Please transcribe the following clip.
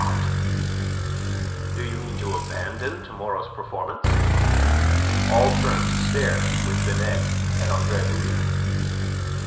"Do you mean to abandon to morrow's performance?" All turned to stare with Binet at Andre Louis.